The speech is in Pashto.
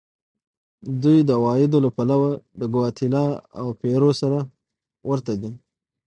دوی د عوایدو له پلوه د ګواتیلا او پیرو سره ورته دي.